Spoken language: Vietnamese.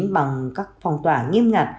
bằng các phòng tỏa nghiêm ngặt